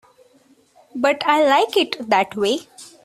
But I like it that way.